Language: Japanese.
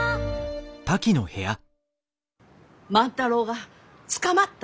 万太郎が捕まった？